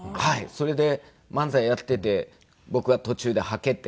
それで漫才やっていて僕が途中で捌けて。